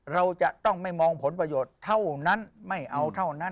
เราจะต้องไม่มองผลประโยชน์เท่านั้นไม่เอาเท่านั้น